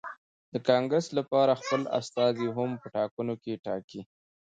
د کانګرېس لپاره خپل استازي هم په ټاکنو کې ټاکي.